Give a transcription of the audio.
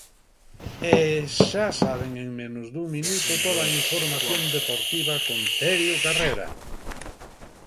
E xa saben en menos dun minuto toda a información deportiva con Terio Carrera.